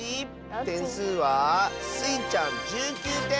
てんすうはスイちゃん１９てん！